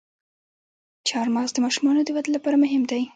چارمغز د ماشومانو د ودې لپاره مهم دی.